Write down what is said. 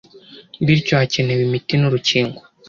bityo hakenewe imiti n'urukingo